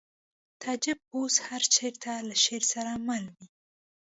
تعجب اوس هر چېرته له شعر سره مل وي